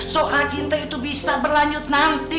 soal cinta itu bisa berlanjut nanti